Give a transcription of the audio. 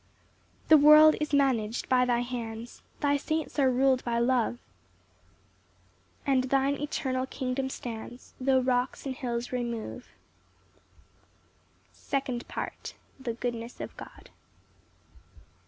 6 The world is manag'd by thy hands, Thy saints are rul'd by love; And thine eternal kingdom stands, Tho' rocks and hills remove. Psalm 145:3. 7 &c. Second Part. The goodness of God.